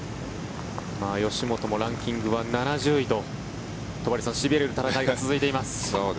吉本もランキングは７０位と戸張さん、しびれる戦いが続いています。